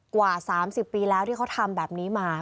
กว่า๓๐ปีแล้วที่เขาทำแบบนี้มา